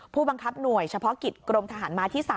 ผู้บังคับหน่วยเฉพาะกิจกรมทหารมาที่๓